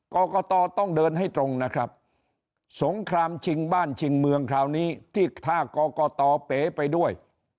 กรกตต้องเดินให้ตรงนะครับสงครามชิงบ้านชิงเมืองคราวนี้ที่ถ้ากรกตเป๋ไปด้วย